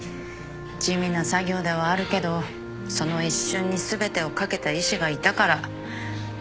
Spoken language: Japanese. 地味な作業ではあるけどその一瞬に全てを懸けた医師がいたからあの赤ちゃんは助かった。